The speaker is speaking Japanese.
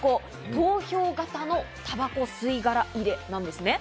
投票型のたばこ吸い殻入れなんですね。